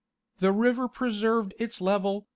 ..... "The river preserved its level